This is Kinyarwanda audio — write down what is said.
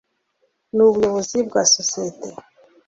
n Ubuyobozi bwa sosiyete